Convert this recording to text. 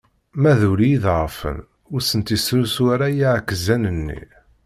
Ma d ulli iḍeɛfen, ur sent-isrusu ara iɛekkzan-nni.